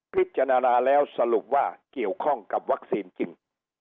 พิจารณาแล้วสรุปว่าเกี่ยวข้องกับวัคซีนจริง